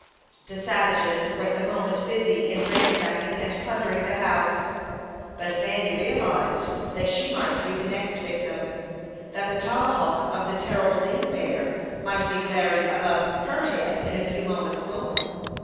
The savages were at that moment busy in ransacking and plundering the house, but Fanny realized that she might be the next victim; that the tomahawk of the terrible Lean Bear might be glaring above her head in a few moments more.